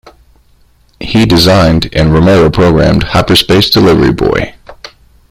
He designed, and Romero programmed, Hyperspace Delivery Boy!